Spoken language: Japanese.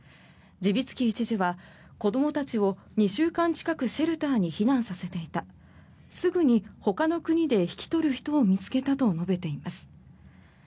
ジビツキー知事は子どもたちを２週間近くシェルターに避難させていたすぐにほかの国で引き取る人を見つけたと述べています。